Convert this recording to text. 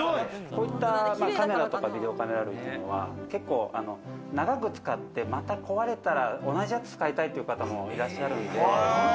こういったカメラとかビデオカメラ類というのは、結構長く使って、また壊れたら同じやつ使いたいっていう方もいらっしゃるので、